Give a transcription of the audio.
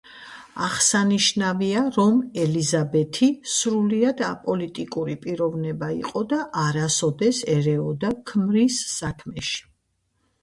აღსანიშნავია, რომ ელიზაბეთი სრულიად აპოლიტიკური პიროვნება იყო და არასდროს ერეოდა ქმრის საქმეში.